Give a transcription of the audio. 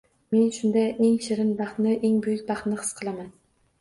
Men shunda eng shirin Baxtni, eng buyuk Baxtni his qilaman